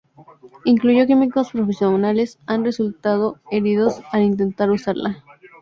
Incluso químicos profesionales han resultado heridos al intentar usarla.